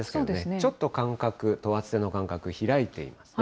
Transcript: ちょっと間隔、等圧線の間隔、開いていますね。